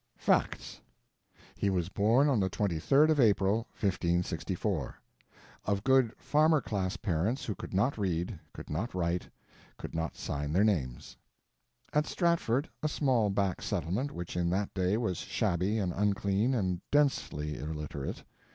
FACTS He was born on the 23d of April, 1564. Of good farmer class parents who could not read, could not write, could not sign their names. At Stratford, a small back settlement which in that day was shabby and unclean, and densely illiterate.